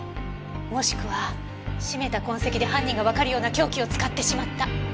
もしくは絞めた痕跡で犯人がわかるような凶器を使ってしまった。